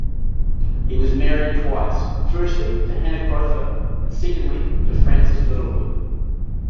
He was married twice, firstly to Hannah Crowther, and secondly to Francis Littlewood.